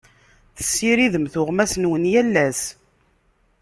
Tessiridem tuɣmas-nwen yal ass.